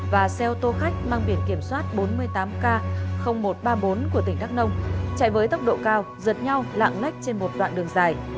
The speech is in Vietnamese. và xe ô tô khách mang biển kiểm soát bốn mươi tám k một trăm ba mươi bốn của tỉnh đắk nông chạy với tốc độ cao giật nhau lạng lách trên một đoạn đường dài